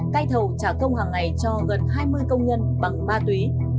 cai thầu trả công hàng ngày cho gần hai mươi công nhân bằng ma túy